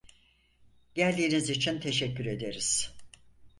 Geldiğiniz için teşekkür ederiz.